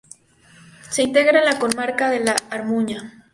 Se integra en la comarca de La Armuña.